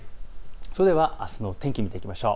それではあすの天気を見ていきましょう。